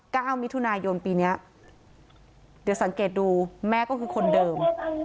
เก้ามิถุนายนปีเนี้ยเดี๋ยวสังเกตดูแม่ก็คือคนเดิม